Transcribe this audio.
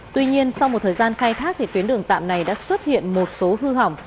tuy nhiên sau một thời gian khai thác tuyến đường tạm này đã xuất hiện một số hư hỏng